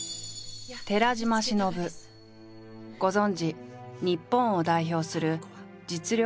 ご存じ日本を代表する実力派女優の一人。